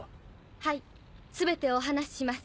はい全てお話しします。